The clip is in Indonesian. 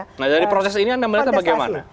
nah dari proses ini anda melihatnya bagaimana